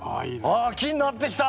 あっ木になってきた！